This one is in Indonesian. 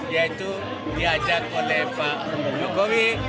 yaitu diajak oleh pak jokowi